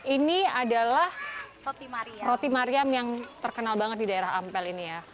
ini adalah roti mariam yang terkenal banget di daerah ampel ini ya